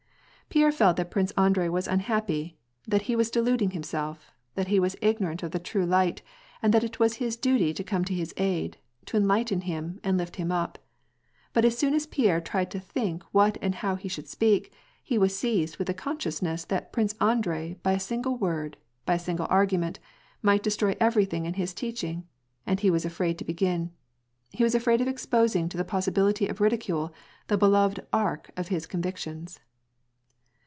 Pierre felt that Prince Andrei was unhappy, that he was de luding himself, that he was ignorant of the true light, and that it was his duty to come to his aid, to enlighten hiui, and lift him up. But as soon as Pierre tried to think what and how he should speak, he was seized with the consciousness that Prince Andrei by a single word, by a single argument, might destroy everything in his teaching, and he was afraid to begin ; he was afraid of exposing to the possibility of ridi cule the beloved Ark of his convictions.